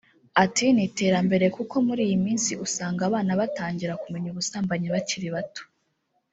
Ati “Ni iterambere kuko muri iyi minsi usanga abana batangira kumenya ubusambanyi bakiri bato